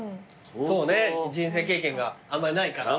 そうね人生経験があんまりないから。